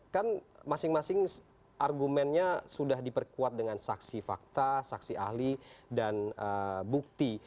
kan masing masing argumennya sudah diperkuat dengan saksi fakta saksi ahli dan bukti